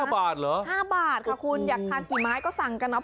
๕บาทอย่างน้อยค่ะคุณอยากทานกี่บาทก็สั่งเอาไปนะคะ